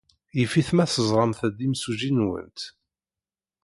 Yif-it ma teẓramt-d imsujji-nwent.